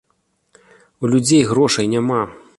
У людзей грошай няма!